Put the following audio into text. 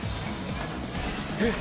えっ！？